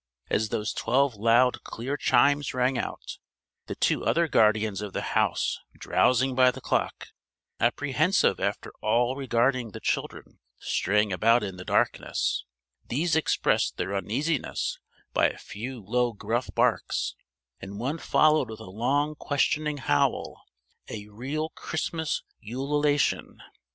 As those twelve loud clear chimes rang out, the two other guardians of the house drowsing by the clock, apprehensive after all regarding the children straying about in the darkness these expressed their uneasiness by a few low gruff barks, and one followed with a long questioning howl a real Christmas ululation!